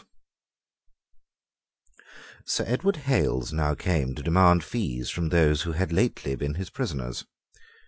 Sir Edward Hales now came to demand fees from those who had lately been his prisoners.